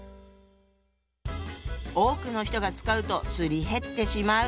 多くの人が使うとすり減ってしまう。